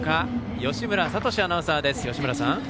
義村聡アナウンサーです。